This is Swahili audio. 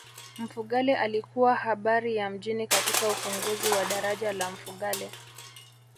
mfugale alikuwa habari ya mjini katika ufunguzi wa daraja la mfugale